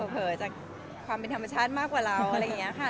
เผลอจากความเป็นธรรมชาติมากกว่าเราอะไรอย่างนี้ค่ะ